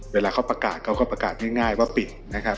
เวลาเขาประกาศเขาก็ประกาศง่ายว่าปิดนะครับ